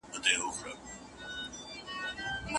داسې څلور دې درته دود درته لوگی شي گرانې